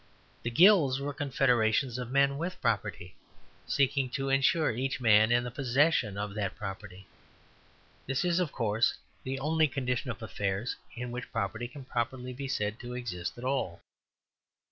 The Guilds were confederations of men with property, seeking to ensure each man in the possession of that property. This is, of course, the only condition of affairs in which property can properly be said to exist at all.